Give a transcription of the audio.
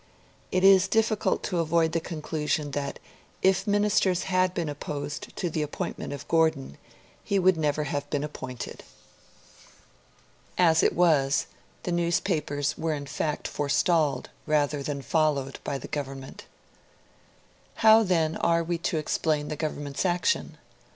It is difficult to avoid the conclusion that if Ministers had been opposed to the appointment of Gordon, he would never have been appointed. As it was, the newspapers were in fact forestalled, rather than followed, by the Government. How, then, are we to explain the Government's action?